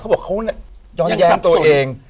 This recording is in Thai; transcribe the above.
เขาบอกว่าเขาเนี่ยย้อนแย้งตัวเอง